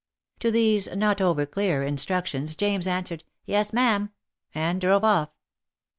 To these, not over clear, instructions James answered " Yes ma'am," and drove off.